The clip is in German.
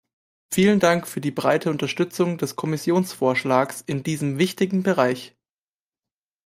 Vielen Dank für die breite Unterstützung des Kommissionsvorschlags in diesem wichtigen Bereich.